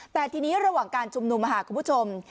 แต่ทีนี้ระหว่างการชุมนุมคุณผู้ชม